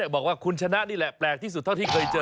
บอกว่าคุณชนะนี่แหละแปลกที่สุดเท่าที่เคยเจอ